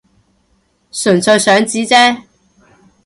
純粹想知啫